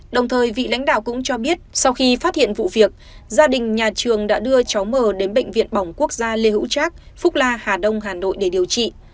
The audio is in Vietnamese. đồng thời vị lãnh đạo cũng cho biết sau khi phát hiện vụ việc gia đình nhà trường đã đưa cháu mờ đến bệnh viện bỏng quốc gia lê hữu trác phúc la hà đông hà nội để điều trị